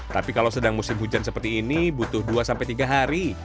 tapi kalau sedang musim hujan seperti ini butuh dua tiga hari